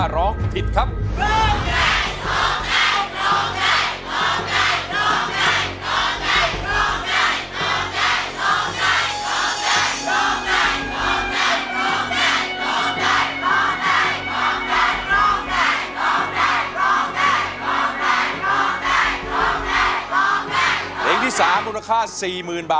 ร้องได้ครับ